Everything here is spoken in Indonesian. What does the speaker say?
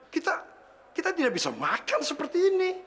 kita tidak bisa makan seperti ini